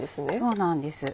そうなんです。